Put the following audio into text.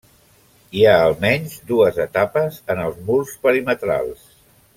Hi ha almenys dues etapes en els murs perimetrals.